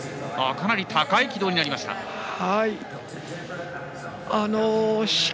かなり高い軌道になりました。